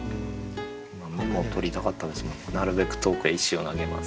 今メモを取りたかったですもんなるべく遠くへ石を投げますって。